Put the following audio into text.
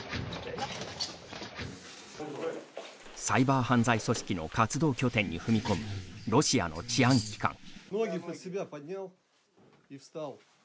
サイバー犯罪組織の活動拠点に踏み込む、ロシアの治安機関。